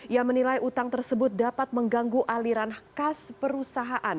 yang menilai utang tersebut dapat mengganggu aliran khas perusahaan